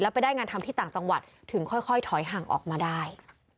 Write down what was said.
ไปได้งานทำที่ต่างจังหวัดถึงค่อยถอยห่างออกมาได้